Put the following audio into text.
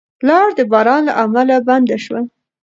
لار د باران له امله بنده شوه.